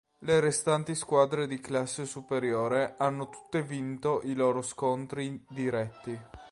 Le restanti squadre di classe superiore hanno tutte vinto i loro scontri diretti.